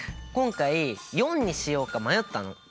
今回４にしようか迷ったの。